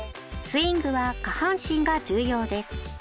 スイングは下半身が重要です。